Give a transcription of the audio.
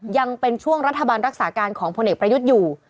ยังเป็นช่วงรัฐบาลรักษาการของพลเอกประยุทธ์อยู่